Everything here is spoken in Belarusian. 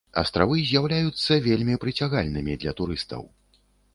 Астравы з'яўляюцца вельмі прыцягальнымі для турыстаў.